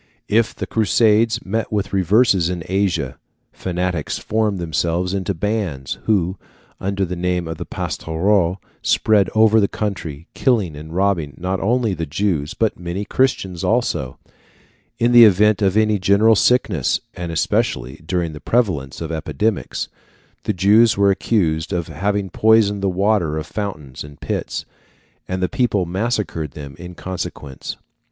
If the Crusaders met with reverses in Asia, fanatics formed themselves into bands, who, under the name of Pastoureaux, spread over the country, killing and robbing not only the Jews, but many Christians also. In the event of any general sickness, and especially during the prevalence of epidemics, the Jews were accused of having poisoned the water of fountains and pits, and the people massacred them in consequence.